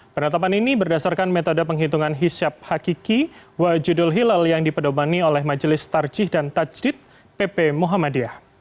penetapan ini berdasarkan metode penghitungan hisyap hakiki wajudul hilal yang dipedomani oleh majelis tarjih dan tajdid pp muhammadiyah